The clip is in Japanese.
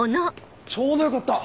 ちょうどよかった。